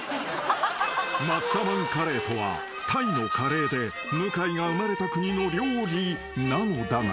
［マッサマンカレーとはタイのカレーで向井が生まれた国の料理なのだが］